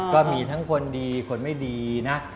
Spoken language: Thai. ก็มีทั้งคนดีคนไม่ดีนะ